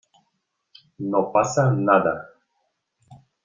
no pasa nada.